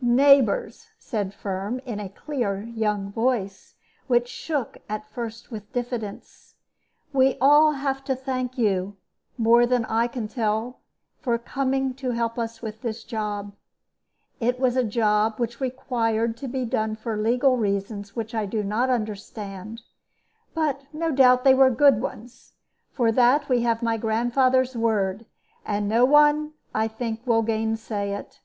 "Neighbors," said Firm, in a clear young voice, which shook at first with diffidence, "we all have to thank you, more than I can tell, for coming to help us with this job. It was a job which required to be done for legal reasons which I do not understand, but no doubt they were good ones. For that we have my grandfather's word; and no one, I think, will gainsay it.